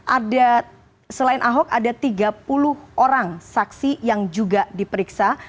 ada selain ahok ada tiga puluh orang saksi yang juga diperiksa